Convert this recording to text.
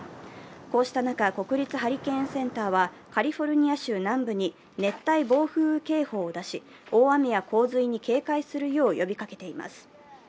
こうした中、国立ハリケーンセンターはカリフォルニア州南部に熱帯暴風雨警報を出し、大雨や洪水に警戒するよう呼びかけています。